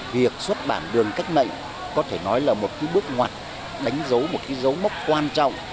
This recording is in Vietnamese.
việc xuất bản đường cách mệnh có thể nói là một bước ngoặt đánh dấu một dấu mốc quan trọng